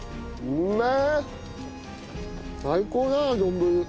うめえ。